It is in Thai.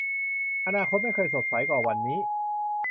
อนาคตไม่เคยสดใสกว่าวันนี้